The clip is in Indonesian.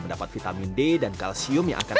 mendapat vitamin d dan kalsium yang akan